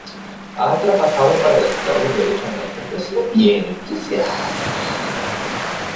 Ha trabajado para defender los derechos de las mujeres, especialmente de las mujeres indígenas.